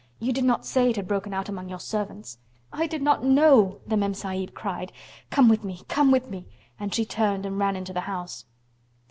"You did not say it had broken out among your servants." "I did not know!" the Mem Sahib cried. "Come with me! Come with me!" and she turned and ran into the house.